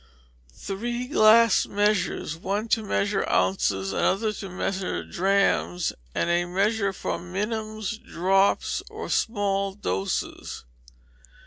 Three glass measures, one to measure ounces, another to measure drachms, and a measure for minims, drops, or small doses.